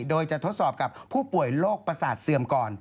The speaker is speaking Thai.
โดยจะทดสอบกับผู้ป่วยโรคประสาทเสื่อมก่อน